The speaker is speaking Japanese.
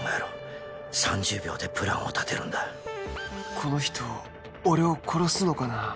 この人俺を殺すのかな？